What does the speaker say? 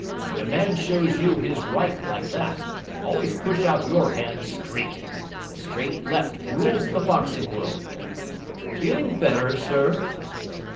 When a man shows you his right like that, always push out your hand straight. The straight left rules the boxing world. Feeling better, sir?"